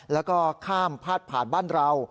แล้วก็ข้ามพาดผ่านบ้านเรา